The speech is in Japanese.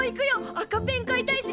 赤ペン買いたいし。